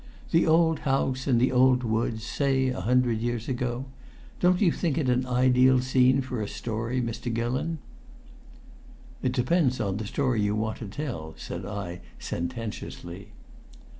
The old house in the old woods, say a hundred years ago! Don't you think it an ideal scene for a story, Mr. Gillon?" "It depends on the story you want to tell," said I, sententiously.